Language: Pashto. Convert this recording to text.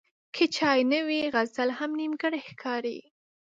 که چای نه وي، غزل هم نیمګړی ښکاري.